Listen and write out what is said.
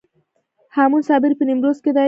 هامون صابري په نیمروز کې دی